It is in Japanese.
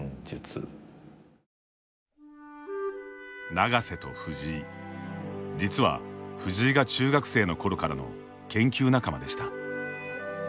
永瀬と藤井、実は藤井が中学生の頃からの研究仲間でした。